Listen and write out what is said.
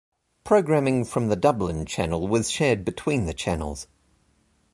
Programming from the Dublin channel was shared between the channels.